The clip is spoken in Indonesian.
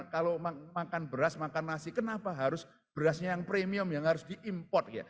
kalau makan beras makan nasi kenapa harus berasnya yang premium yang harus diimport ya